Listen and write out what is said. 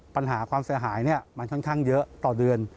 ปัญหาความเสียหายมันค่อนข้างเยอะต่อเดือน